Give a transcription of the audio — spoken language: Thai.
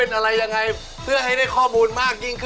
ใครคือปริศนามหาสนุกตัวจริงครับ